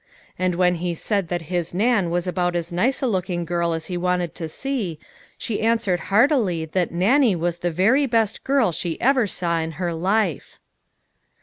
And when he said that his Nan was about as nice a looking girl as he wanted to see, she answered heartily that Nannie was the very best girl she ever saw in her life.